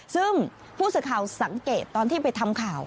ซึ่งผู้สื่อข่าวสังเกตตอนที่ไปทำข่าว